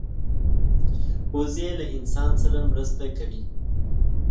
وزې له انسان سره مرسته کوي